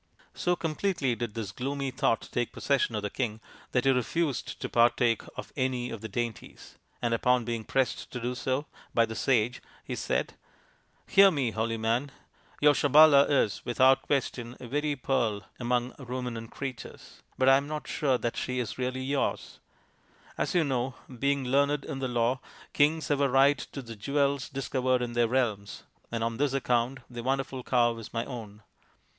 So completely did this gloomy thought take possession of the king, that he refused to partake of any of the dainties, and upon being pressed to do so by the sage, he said :" Hear me, holy man ! Your Sabala is, without question, a very Pearl among Ruminant Creatures, but I am not sure that she is really yours. As you know, being learned in the law, kings have a right to the jewels discovered in their realms, and on this account the wonderful cow is my own.